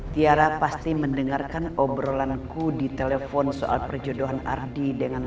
tiara pasti mendengarkan obrolanku di telepon soal perjodohan ardi dengan luna